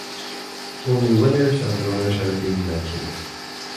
Only winners and runners are being mentioned.